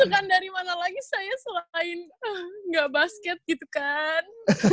bukan dari mana lagi saya selain nggak basket gitu kan